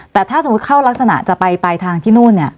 แต่ถ้าสมมุติเขารักษณะจะไปทางที่นู่น